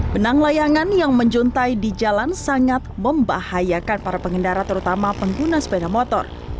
benang layangan yang menjuntai di jalan sangat membahayakan para pengendara terutama pengguna sepeda motor